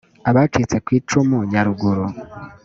abacitse ku icumu nyaruguru